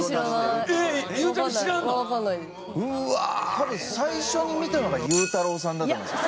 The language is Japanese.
多分最初に見たのがゆうたろうさんだと思います。